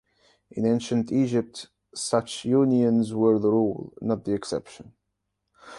In ancient Egypt, such unions were the rule, not the exception.